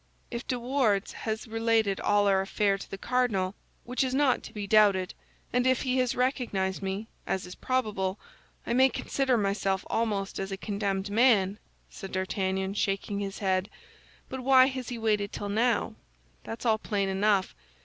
"If De Wardes has related all our affair to the cardinal, which is not to be doubted, and if he has recognized me, as is probable, I may consider myself almost as a condemned man," said D'Artagnan, shaking his head. "But why has he waited till now? That's all plain enough.